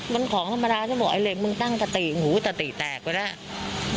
มันของธรรมดาฉันบอกไอ้เหล็กมึงตั้งสติหูสติแตกไปแล้ว